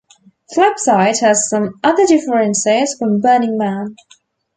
Flipside has some other differences from Burning Man.